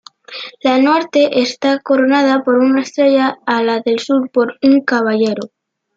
La norte está coronada por una estrella y la del sur por un caballero.